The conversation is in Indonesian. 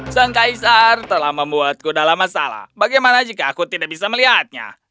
sang kaisar telah membuatku dalam masalah bagaimana jika aku tidak bisa melihatnya